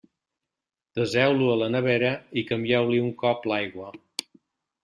Deseu-lo a la nevera i canvieu-li un cop l'aigua.